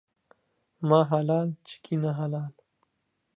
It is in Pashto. ما حلال ، چکي نه حلال.